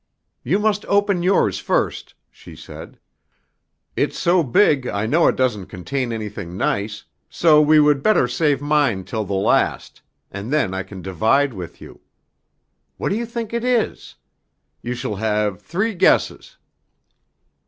"You must open yours first," she said; "it's so big I know it doesn't contain anything nice, so we would better save mine till the last, and then I can divide with you. What do you think it is? You shall have three guesses."